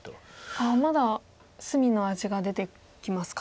まだ隅の味が出てきますか。